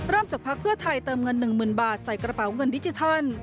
จากพักเพื่อไทยเติมเงิน๑๐๐๐บาทใส่กระเป๋าเงินดิจิทัล